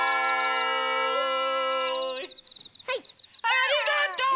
ありがとう！